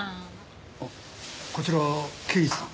あっこちら刑事さん。